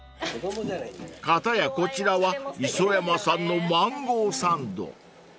［片やこちらは磯山さんのマンゴーサンド］